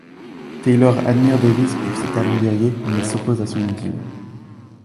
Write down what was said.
Taylor admire Davis pour ses talents guerriers, mais s'oppose à son idylle.